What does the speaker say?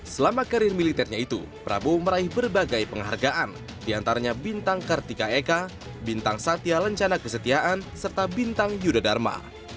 selama karir militernya itu prabowo meraih berbagai penghargaan diantaranya bintang kartika eka bintang satya lencana kesetiaan serta bintang yudha dharma